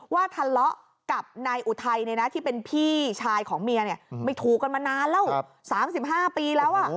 ว่าทะเลาะกับนายอุทัยที่เป็นพี่ชายของเมียไม่ถูกกันมานานแล้ว๓๕ปีแล้ว